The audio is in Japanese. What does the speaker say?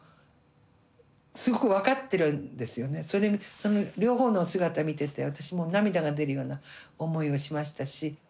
その両方の姿見てて私も涙が出るような思いをしましたし。